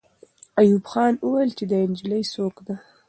ایوب خان وویل چې دا نجلۍ څوک ده.